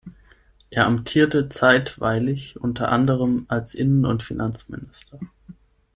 Er amtierte zeitweilig unter anderem als Innen- und Finanzminister.